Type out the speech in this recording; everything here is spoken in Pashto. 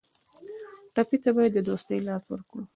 ټپي ته باید د دوستۍ لاس ورکړو.